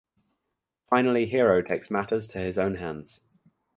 Finally Hero takes matters to his own hands.